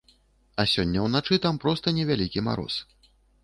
А сёння ўначы там проста невялікі мароз.